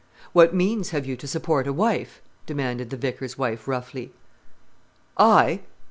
"What means have you to support a wife?" demanded the vicar's wife roughly. "I!"